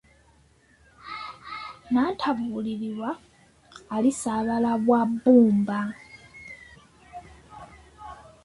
Nnantabuulirirwa alisaabala bwa bbumba